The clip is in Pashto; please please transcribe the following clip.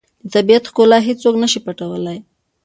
د طبیعت ښکلا هیڅوک نه شي پټولی.